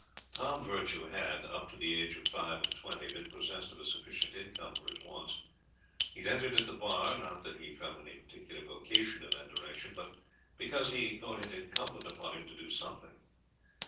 Tom Virtue had, up to the age of five and twenty, been possessed of a sufficient income for his wants. He had entered at the bar, not that he felt any particular vocation in that direction, but because he thought it incumbent upon him to do something.